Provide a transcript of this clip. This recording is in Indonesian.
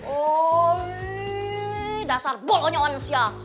olih dasar bolonya onsiah